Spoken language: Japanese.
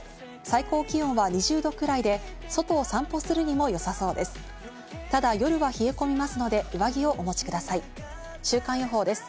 最高気温は２０度くらいで外を散歩するにもよさそうです。